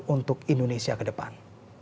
untuk indonesia ke depan